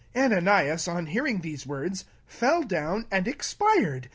5 And Ananias, on hcar i ing these words, fell down and expired.